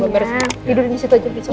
tidurin disitu aja di sofa